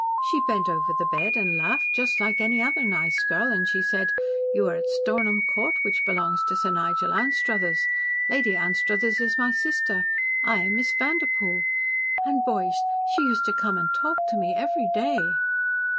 "She bent over the bed and laughed just like any other nice girl and she said, 'You are at Stornham Court, which belongs to Sir Nigel Anstruthers. Lady Anstruthers is my sister. I am Miss Vanderpoel.' And, boys, she used to come and talk to me every day."